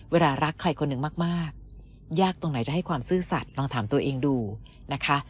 รักใครคนหนึ่งมากยากตรงไหนจะให้ความซื่อสัตว์ลองถามตัวเองดูนะคะ